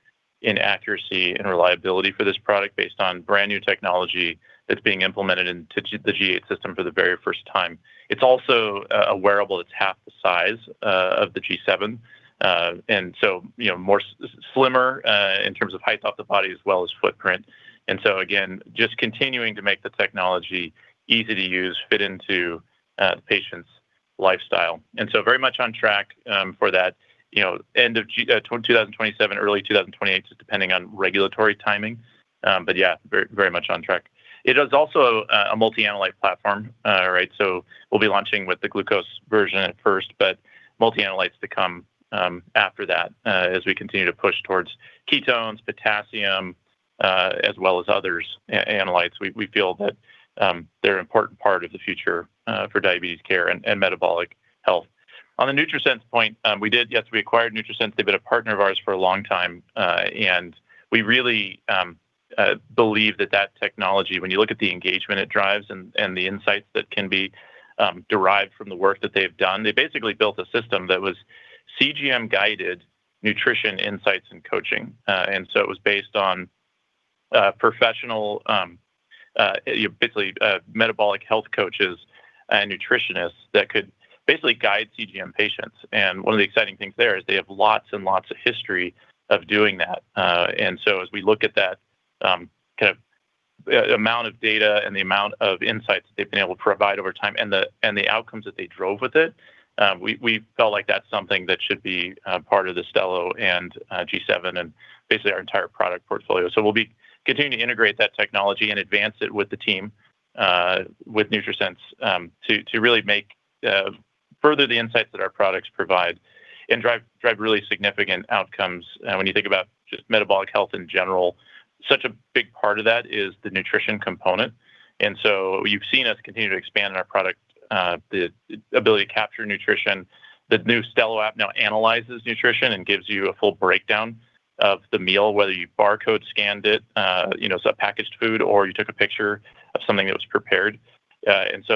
in accuracy and reliability for this product based on brand-new technology that's being implemented into the G8 system for the very first time. It's also a wearable that's half the size of the G7. Slimmer in terms of height off the body as well as footprint. Again, just continuing to make the technology easy to use, fit into the patient's lifestyle. Very much on track for that. End of 2027, early 2028, just depending on regulatory timing. Yeah, very much on track. It is also a multi-analyte platform. We'll be launching with the glucose version at first, but multi-analyte to come after that as we continue to push towards ketones, potassium, as well as others analytes. We feel that they're an important part of the future for diabetes care and metabolic health. On the Nutrisense point, yes, we acquired Nutrisense. They've been a partner of ours for a long time. We really believe that that technology, when you look at the engagement it drives and the insights that can be derived from the work that they've done, they basically built a system that was CGM-guided nutrition insights and coaching. It was based on professional metabolic health coaches and nutritionists that could basically guide CGM patients. One of the exciting things there is they have lots and lots of history of doing that. As we look at that amount of data and the amount of insights that they've been able to provide over time and the outcomes that they drove with it, we felt like that's something that should be part of the Stelo and G7 and basically our entire product portfolio. We'll be continuing to integrate that technology and advance it with the team, with Nutrisense, to really further the insights that our products provide and drive really significant outcomes. When you think about just metabolic health in general, such a big part of that is the nutrition component. You've seen us continue to expand our product, the ability to capture nutrition. The new Stelo app now analyzes nutrition and gives you a full breakdown of the meal, whether you barcode scanned it, so packaged food, or you took a picture of something that was prepared. That's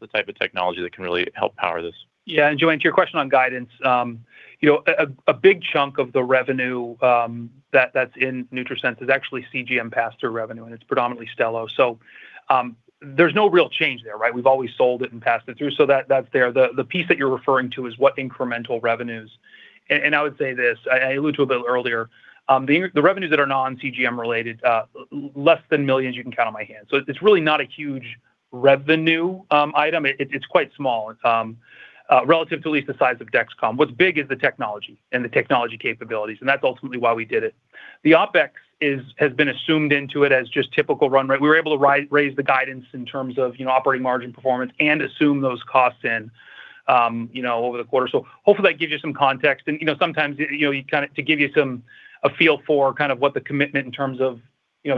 the type of technology that can really help power this. Yeah. Joanne, to your question on guidance, a big chunk of the revenue that's in Nutrisense is actually CGM pass-through revenue, and it's predominantly Stelo. There's no real change there, right? We've always sold it and passed it through. That's there. The piece that you're referring to is what incremental revenues. I would say this, I allude to a bit earlier, the revenues that are non-CGM related, less than millions you can count on my hand. It's really not a huge revenue item. It's quite small relative to at least the size of Dexcom. What's big is the technology and the technology capabilities, and that's ultimately why we did it. The OpEx has been assumed into it as just typical run rate. We were able to raise the guidance in terms of operating margin performance and assume those costs in over the quarter. Hopefully, that gives you some context. Sometimes, to give you a feel for what the commitment in terms of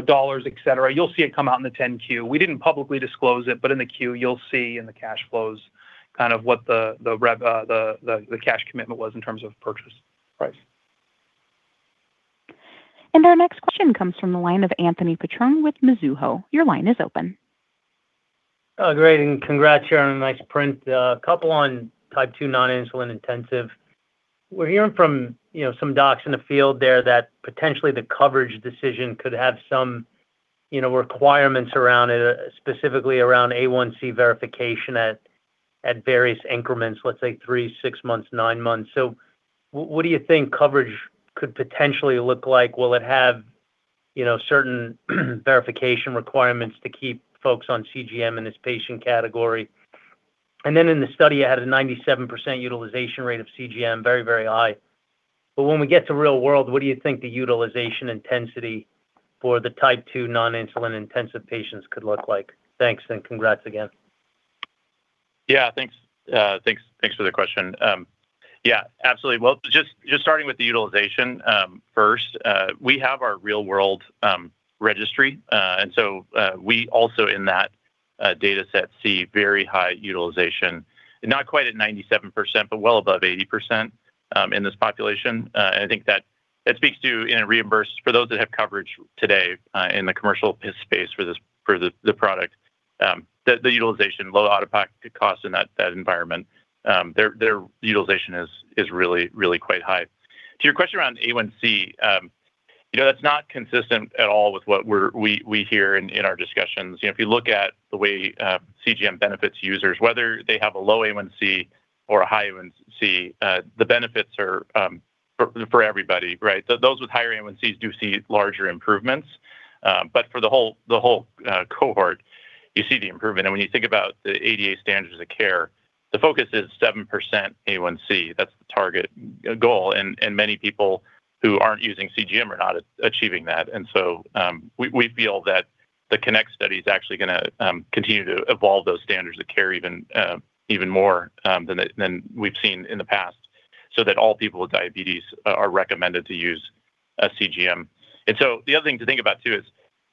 dollars, et cetera, you'll see it come out in the 10-Q. We didn't publicly disclose it, but in the Q, you'll see in the cash flows what the cash commitment was in terms of purchase price. Our next question comes from the line of Anthony Petrone with Mizuho. Your line is open. Great. Congrats here on a nice print. A couple on type 2 non-insulin intensive. We're hearing from some docs in the field there that potentially the coverage decision could have some requirements around it, specifically around A1C verification at various increments, let's say three, six months, nine months. What do you think coverage could potentially look like? Will it have certain verification requirements to keep folks on CGM in this patient category? Then in the study, it had a 97% utilization rate of CGM, very, very high. When we get to real world, what do you think the utilization intensity for the type 2 non-insulin intensive patients could look like? Thanks, and congrats again. Thanks for the question. Absolutely. Well, just starting with the utilization first. We have our real world registry, we also in that data set see very high utilization. Not quite at 97%, but well above 80% in this population. I think that speaks to For those that have coverage today in the commercial space for the product, the utilization, low out-of-pocket cost in that environment, their utilization is really quite high. To your question around A1C, that's not consistent at all with what we hear in our discussions. If you look at the way CGM benefits users, whether they have a low A1C or a high A1C, the benefits are for everybody, right? Those with higher A1Cs do see larger improvements. For the whole cohort, you see the improvement. When you think about the ADA standards of care. The focus is 7% A1C. That's the target goal. Many people who aren't using CGM are not achieving that. We feel that the CONNECT study is actually going to continue to evolve those standards of care even more than we've seen in the past, so that all people with diabetes are recommended to use a CGM. The other thing to think about too is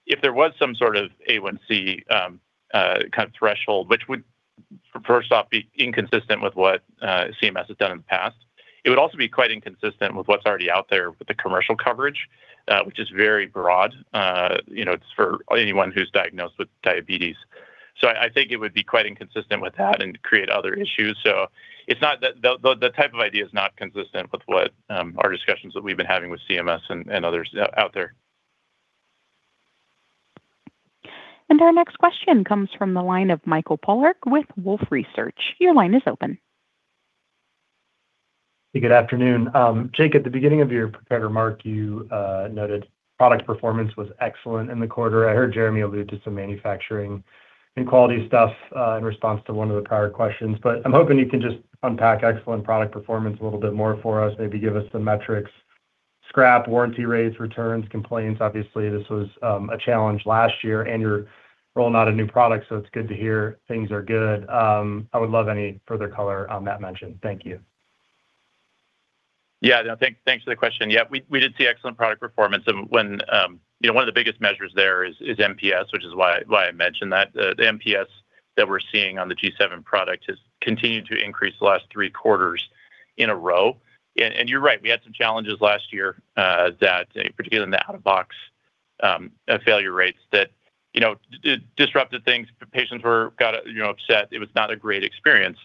if there was some sort of A1C kind of threshold, which would first off be inconsistent with what CMS has done in the past, it would also be quite inconsistent with what's already out there with the commercial coverage, which is very broad. It's for anyone who's diagnosed with diabetes. I think it would be quite inconsistent with that and create other issues. The type of idea is not consistent with our discussions that we've been having with CMS and others out there. Our next question comes from the line of Mike Polark with Wolfe Research. Your line is open. Good afternoon. Jake, at the beginning of your prepared remarks, you noted product performance was excellent in the quarter. I heard Jereme allude to some manufacturing and quality stuff in response to one of the prior questions. I'm hoping you can just unpack excellent product performance a little bit more for us. Maybe give us some metrics, scrap, warranty rates, returns, complaints. Obviously, this was a challenge last year. You're rolling out a new product, so it's good to hear things are good. I would love any further color on that mention. Thank you. No, thanks for the question. We did see excellent product performance and one of the biggest measures there is NPS, which is why I mentioned that. The NPS that we're seeing on the G7 product has continued to increase the last three quarters in a row. You're right, we had some challenges last year, particularly in the out-of-box failure rates that disrupted things. Patients got upset. It was not a great experience.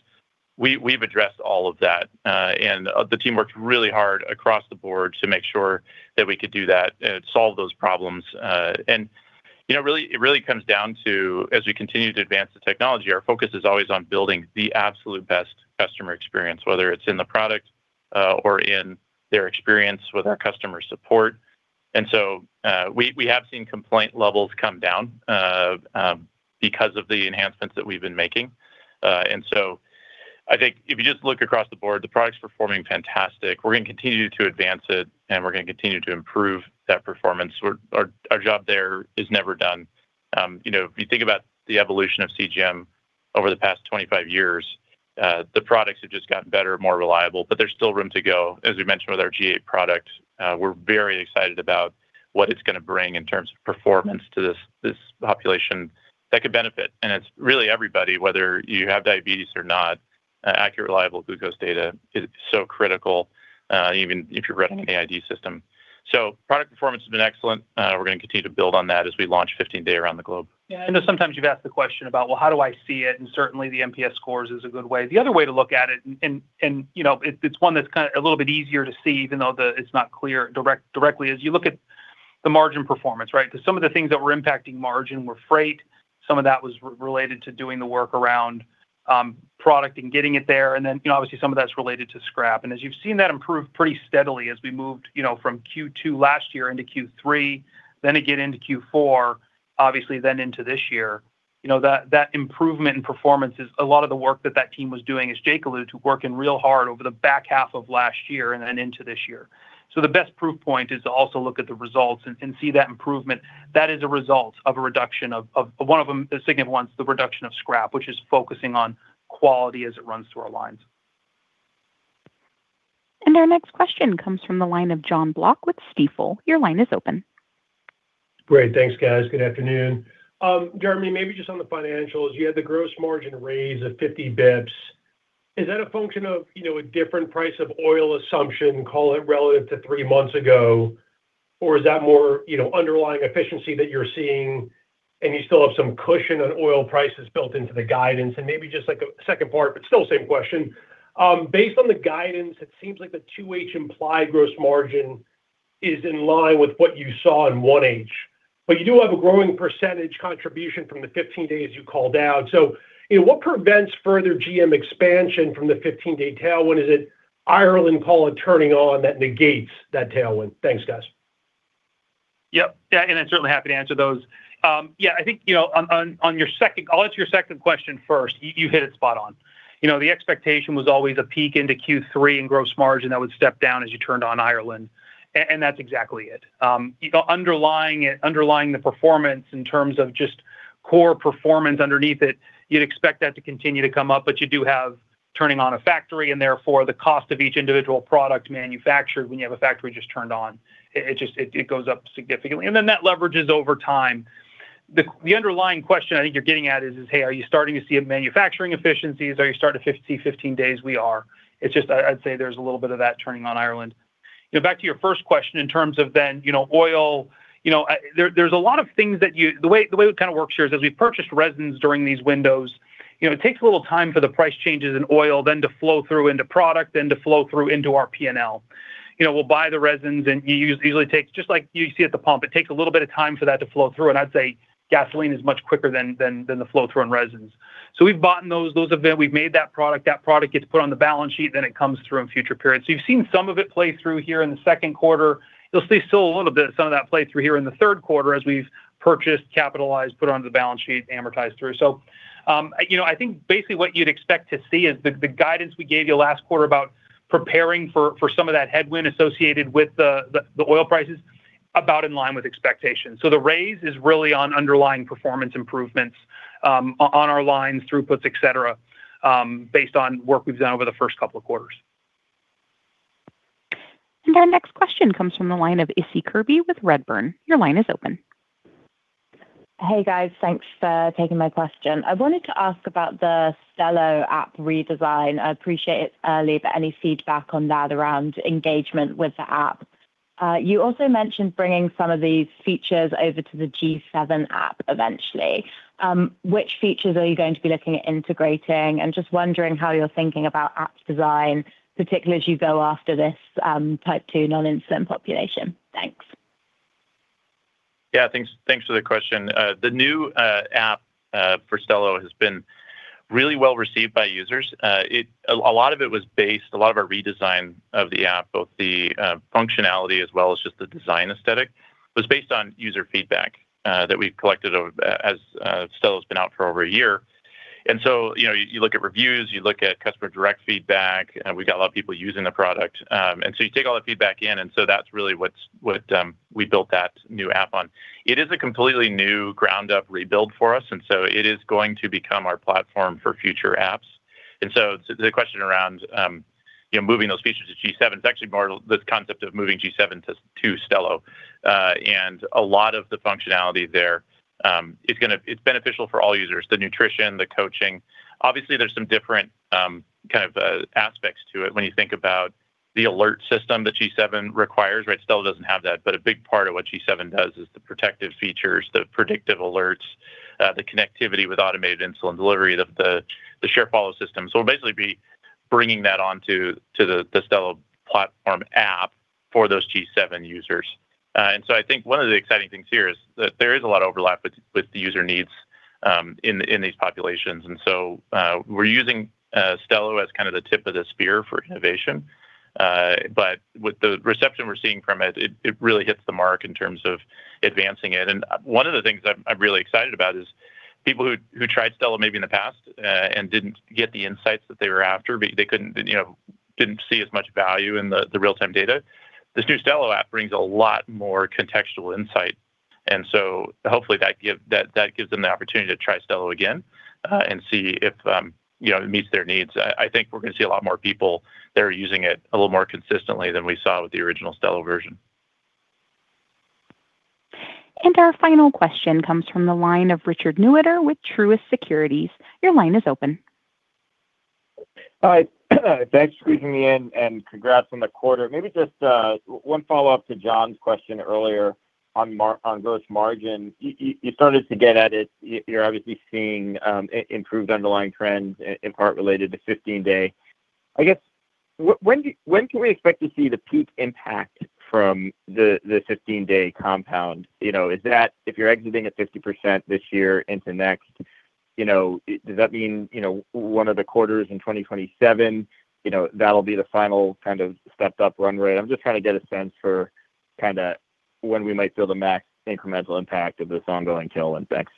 We've addressed all of that. The team worked really hard across the board to make sure that we could do that and solve those problems. It really comes down to, as we continue to advance the technology, our focus is always on building the absolute best customer experience, whether it's in the product or in their experience with our customer support. We have seen complaint levels come down because of the enhancements that we've been making. I think if you just look across the board, the product's performing fantastic. We're going to continue to advance it, and we're going to continue to improve that performance. Our job there is never done. If you think about the evolution of CGM over the past 25 years, the products have just gotten better and more reliable, but there's still room to go. As we mentioned with our G8 product, we're very excited about what it's going to bring in terms of performance to this population that could benefit. It's really everybody, whether you have diabetes or not, accurate, reliable glucose data is so critical, even if you're running an AID system. Product performance has been excellent. We're going to continue to build on that as we launch Dexcom G7 15-day around the globe. I know sometimes you've asked the question about, "Well, how do I see it?" Certainly, the NPS scores is a good way. The other way to look at it's one that's kind of a little bit easier to see, even though it's not clear directly, is you look at the margin performance, right? Because some of the things that were impacting margin were freight. Some of that was related to doing the work around product and getting it there. Then, obviously, some of that's related to scrap. As you've seen, that improved pretty steadily as we moved from Q2 last year into Q3, then again into Q4, obviously, then into this year. That improvement in performance is a lot of the work that that team was doing, as Jake alluded to, working real hard over the back half of last year and then into this year. The best proof point is to also look at the results and see that improvement. That is a result of a reduction of, one of the significant ones, the reduction of scrap, which is focusing on quality as it runs through our lines. Our next question comes from the line of Jonathan Block with Stifel. Your line is open. Great. Thanks, guys. Good afternoon. Jereme, maybe just on the financials. You had the gross margin raise of 50 basis points. Is that a function of a different price of oil assumption, call it relative to three months ago, or is that more underlying efficiency that you're seeing and you still have some cushion on oil prices built into the guidance? Maybe just a second part, but still the same question. Based on the guidance, it seems like the 2H implied gross margin is in line with what you saw in 1H. But you do have a growing percentage contribution from the Dexcom G7 15-day you called out. What prevents further GM expansion from the Dexcom G7 15-day tailwind? Is it Ireland, call it, turning on that negates that tailwind? Thanks, guys. I'm certainly happy to answer those. I'll answer your second question first. You hit it spot on. The expectation was always a peak into Q3 in gross margin that would step down as you turned on Ireland, and that's exactly it. Underlying the performance in terms of just core performance underneath it, you'd expect that to continue to come up, but you do have turning on a factory and therefore the cost of each individual product manufactured when you have a factory just turned on. It goes up significantly. Then that leverages over time. The underlying question I think you're getting at is, "Hey, are you starting to see manufacturing efficiencies? Are you starting to see Dexcom G7 15-day?" We are. It's just I'd say there's a little bit of that turning on Ireland. Back to your first question in terms of then oil. The way it kind of works here is as we've purchased resins during these windows, it takes a little time for the price changes in oil then to flow through into product, then to flow through into our P&L. We'll buy the resins, and it usually takes, just like you see at the pump, it takes a little bit of time for that to flow through. I'd say gasoline is much quicker than the flow through on resins. We've bought those. We've made that product. That product gets put on the balance sheet, then it comes through in future periods. You've seen some of it play through here in the second quarter. You'll see still a little bit some of that play through here in the third quarter as we've purchased, capitalized, put it onto the balance sheet, amortized through. I think basically what you'd expect to see is the guidance we gave you last quarter about preparing for some of that headwind associated with the oil prices. About in line with expectations. The raise is really on underlying performance improvements on our lines, throughputs, et cetera, based on work we've done over the first couple of quarters. Our next question comes from the line of Issie Kirby with Redburn. Your line is open. Hey, guys. Thanks for taking my question. I wanted to ask about the Stelo app redesign. Any feedback on that around engagement with the app? You also mentioned bringing some of these features over to the G7 app eventually. Which features are you going to be looking at integrating? Just wondering how you're thinking about app design, particularly as you go after this type 2 non-insulin population. Thanks. Yeah. Thanks for the question. The new app for Stelo has been really well received by users. A lot of our redesign of the app, both the functionality as well as just the design aesthetic, was based on user feedback that we've collected as Stelo's been out for over a year. You look at reviews, you look at customer direct feedback, and we've got a lot of people using the product. You take all that feedback in, so that's really what we built that new app on. It is a completely new ground-up rebuild for us, and so it is going to become our platform for future apps. The question around moving those features to G7, it's actually more this concept of moving G7 to Stelo. A lot of the functionality there, it's beneficial for all users, the nutrition, the coaching. Obviously, there's some different kind of aspects to it when you think about the alert system that G7 requires, right? Stelo doesn't have that. A big part of what G7 does is the protective features, the predictive alerts, the connectivity with automated insulin delivery, the share follow system. We'll basically be bringing that onto the Stelo platform app for those G7 users. I think one of the exciting things here is that there is a lot of overlap with the user needs in these populations. We're using Stelo as kind of the tip of the spear for innovation. With the reception we're seeing from it really hits the mark in terms of advancing it. One of the things I'm really excited about is people who tried Stelo maybe in the past and didn't get the insights that they were after. They didn't see as much value in the real-time data. This new Stelo app brings a lot more contextual insight, and so hopefully that gives them the opportunity to try Stelo again, and see if it meets their needs. I think we're going to see a lot more people that are using it a little more consistently than we saw with the original Stelo version. Our final question comes from the line of Richard Newitter with Truist Securities. Your line is open. Hi, thanks for squeezing me in, and congrats on the quarter. Maybe just one follow-up to John's question earlier on gross margin. You started to get at it, you're obviously seeing improved underlying trends in part related to Dexcom G7 15-day. I guess, when can we expect to see the peak impact from the Dexcom G7 15-day compound? If you're exiting at 50% this year into next, does that mean one of the quarters in 2027, that'll be the final kind of stepped up run rate? I'm just trying to get a sense for when we might feel the max incremental impact of this ongoing tailwind. Thanks.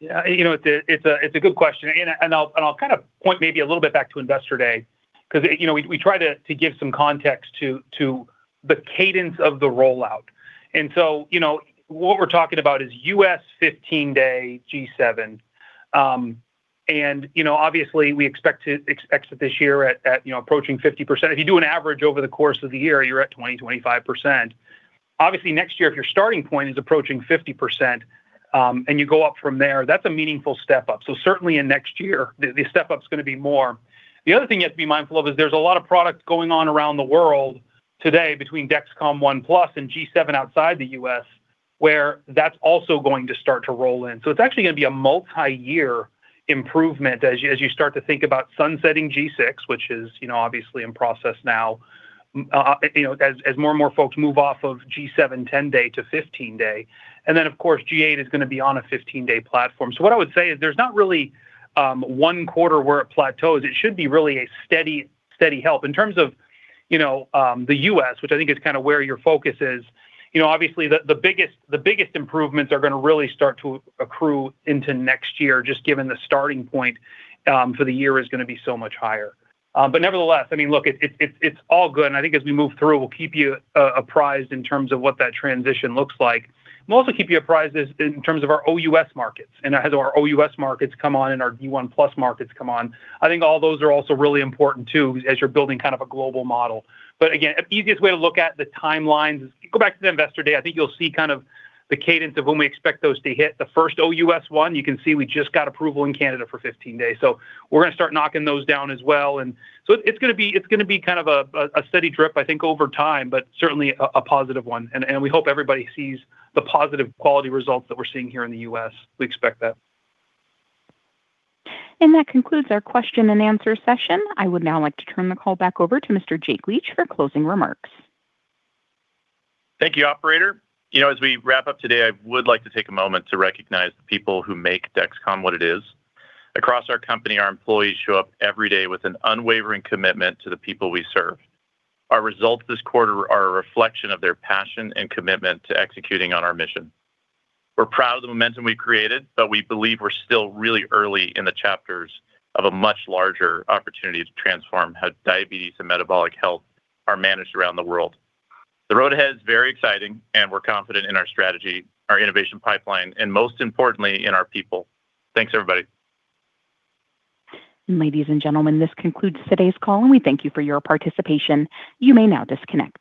Yeah. It's a good question. I'll kind of point maybe a little bit back to Investor Day, because we try to give some context to the cadence of the rollout. What we're talking about is U.S. 15-day G7. Obviously we expect to exit this year at approaching 50%. If you do an average over the course of the year, you're at 20%, 25%. Obviously next year, if your starting point is approaching 50%, and you go up from there, that's a meaningful step up. Certainly in next year, the step-up's going to be more. The other thing you have to be mindful of is there's a lot of product going on around the world today between Dexcom ONE+ and G7 outside the U.S., where that's also going to start to roll in. It's actually going to be a multi-year improvement as you start to think about sunsetting G6, which is obviously in process now, as more and more folks move off of G7 10-day-15-day. Then of course, G8 is going to be on a 15-day platform. What I would say is there's not really one quarter where it plateaus. It should be really a steady help. In terms of the U.S., which I think is kind of where your focus is, obviously the biggest improvements are going to really start to accrue into next year, just given the starting point for the year is going to be so much higher. Nevertheless, look, it's all good. I think as we move through, we'll keep you apprised in terms of what that transition looks like. We'll also keep you apprised in terms of our OUS markets and as our OUS markets come on and our Dexcom ONE+ markets come on. I think all those are also really important too, as you're building kind of a global model. Again, easiest way to look at the timelines is go back to the Investor Day. I think you'll see kind of the cadence of when we expect those to hit. The first OUS one, you can see we just got approval in Canada for 15 days. We're going to start knocking those down as well. It's going to be kind of a steady drip, I think, over time, but certainly a positive one. We hope everybody sees the positive quality results that we're seeing here in the U.S. We expect that. That concludes our question and answer session. I would now like to turn the call back over to Mr. Jake Leach for closing remarks. Thank you, operator. As we wrap up today, I would like to take a moment to recognize the people who make Dexcom what it is. Across our company, our employees show up every day with an unwavering commitment to the people we serve. Our results this quarter are a reflection of their passion and commitment to executing on our mission. We're proud of the momentum we've created, we believe we're still really early in the chapters of a much larger opportunity to transform how diabetes and metabolic health are managed around the world. The road ahead is very exciting, we're confident in our strategy, our innovation pipeline, and most importantly, in our people. Thanks, everybody. Ladies and gentlemen, this concludes today's call, we thank you for your participation. You may now disconnect.